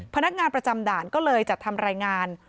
พนักงานประจำด่านก็เลยจัดทำรายงาน